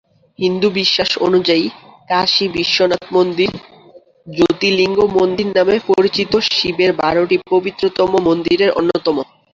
হিন্দু বিশ্বাস অনুযায়ী, কাশী বিশ্বনাথ মন্দির "জ্যোতির্লিঙ্গ মন্দির" নামে পরিচিত শিবের বারোটি পবিত্রতম মন্দিরের অন্যতম।